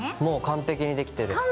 もう完璧にできてる。